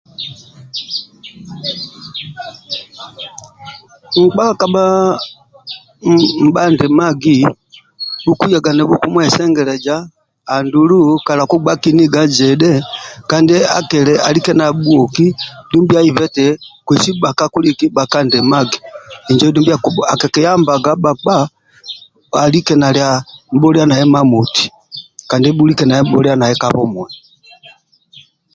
Nkpa kabha nibhandimagi bhukuyaga nibhukumwesengeleza andulu kala kugba kiniga zidhi kandi akili alike nabhuoki dumbi aibi eti bhakandimqgi injo akikiyamba bhkapa alike nali nibhulia naye Imamoti kandi nibhulia naye ka bumwi